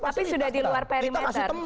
tapi sudah di luar perimeter